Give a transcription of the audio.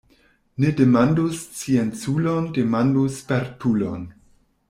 Ne demandu scienculon, demandu spertulon.